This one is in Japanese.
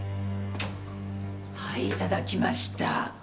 はいいただきました。